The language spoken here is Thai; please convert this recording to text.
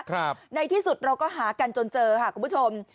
ในที่สุดเราก็หากันจนเจอค่ะคุณผู้ชม